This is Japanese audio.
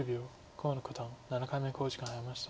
河野九段７回目の考慮時間に入りました。